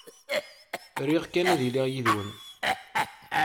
Riɣ kan ad iliɣ yid-wen.